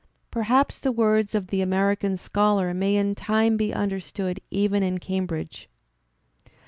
Perhaps the words of ''The American Scholar" may in time be understood even in Cambridge.